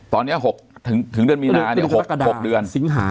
ตอนนี้ถึงเดือนมีนาเนี่ย๖เดือน